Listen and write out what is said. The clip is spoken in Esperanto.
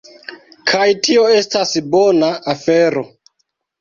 Kaj tio estas bona afero